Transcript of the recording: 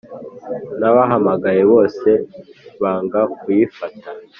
nabahamagaye bose banga kuyifata